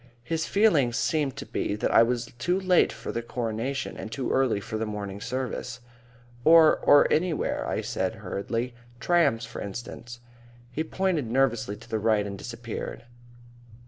His feeling seemed to be that I was too late for the Coronation and too early for the morning service. "Or or anywhere," I said hurriedly. "Trams, for instance." He pointed nervously to the right and disappeared.